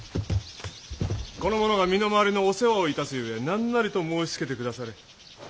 この者が身の回りのお世話をいたすゆえ何なりと申しつけてくだされ。